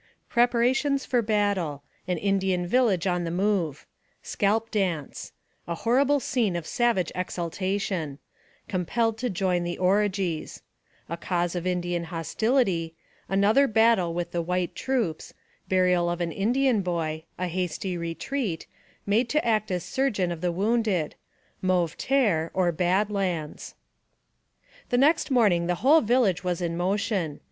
PREPARATIONS FOR BATTLE AN INDIAN VILLAGE ON THE MOVE SCALP DANCE A HORRIBLE SCENE OF SAVAGE EXULTATION COMPELLED TO JOIN THE ORGIES A CAUSE OF INDIAN HOSTILITY ANOTHER BATTLE WITH THE WHITE TROOPS BURIAL OF AN IN DIAN BOY A HASTY RETREAT MADE TO ACT AS SURGEON OF THE WOUNDED MAUVE TERRE, OR BAD LANDS. THE next morning the whole village was in motion.